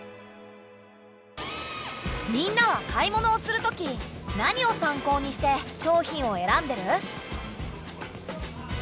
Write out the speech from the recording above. みんなは買い物をするとき何を参考にして商品を選んでる？